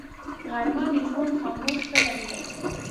غرمه د ژوند خاموش فلم دی